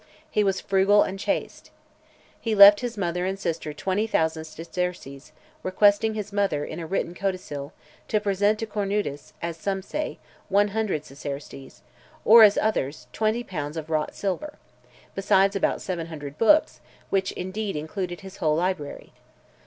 He was frugal and chaste. He left his mother and sister twenty thousand sesterces, requesting his mother, in a written codicil, to present to Cornutus, as some say, one hundred sesterces, or as others, twenty pounds of wrought silver , besides about seven hundred books, which, indeed, included his whole library.